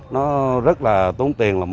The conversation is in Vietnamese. nó rất là tốn tiền là một